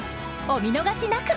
お見逃しなく！